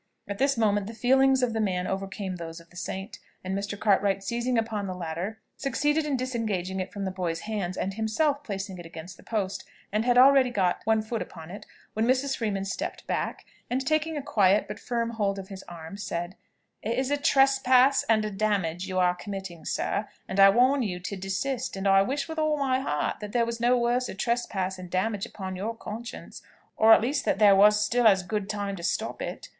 At this moment the feelings of the man overcame those of the saint, and Mr. Cartwright seizing upon the ladder, succeeded in disengaging it from the boy's hands, and himself placing it against the post, had already got one foot upon it, when Mrs. Freeman stepped back, and taking a quiet but firm hold of his arm, said, "It is a trespass and a damage you are committing, sir, and I warn you to desist; and I wish with all my heart that there was no worser trespass and damage upon your conscience or at least that there was still as good time to stop it.